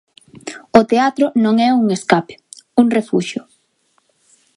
O teatro non é un escape, un refuxio".